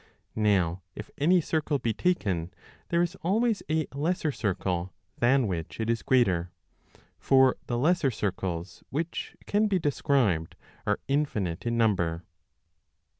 Now 40 if any circle be taken, there is always a lesser circle than 852 which it is greater ; for the lesser circles which can be described are infinite in number.